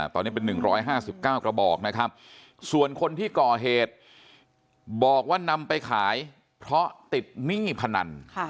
ตอนนี้เป็น๑๕๙กระบอกนะครับส่วนคนที่ก่อเหตุบอกว่านำไปขายเพราะติดหนี้พนัน